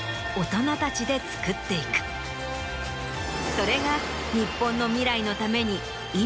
それが。